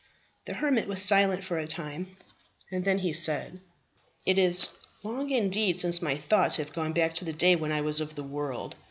The hermit was silent for a time, and then said, "It is long indeed since my thoughts have gone back to the day when I was of the world.